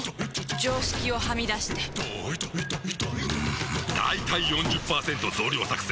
常識をはみ出してんだいたい ４０％ 増量作戦！